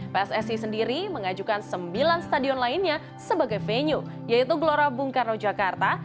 pssi sendiri mengajukan sembilan stadion lainnya sebagai venue yaitu gelora bung karno jakarta